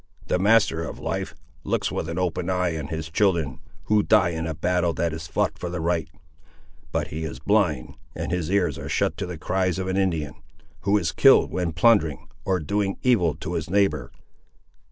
"The Master of Life looks with an open eye on his children, who die in a battle that is fought for the right; but he is blind, and his ears are shut to the cries of an Indian, who is killed when plundering, or doing evil to his neighbour."